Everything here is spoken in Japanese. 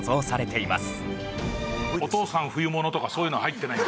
「お父さん冬物」とかそういうのは入ってない？